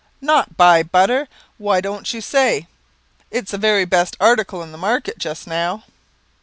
"Not buy butter! Why you don't say! It is the very best article in the market jist now."